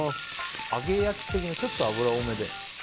揚げ焼き的なちょっと油多めで？